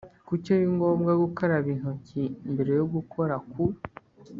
Kuki ari ngombwa gukaraba intoki mbere yo gukora ku